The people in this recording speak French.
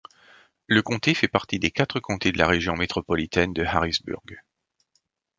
Le comté fait partie des quatre comtés de la région métropolitaine de Harrisburg.